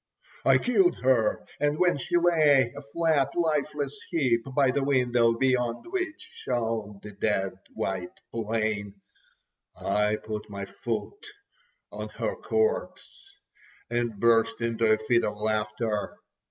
I killed her, and when she lay a flat, lifeless heap by the window, beyond which shone the dead white plain, I put my foot on her corpse, and burst into a fit of laughter.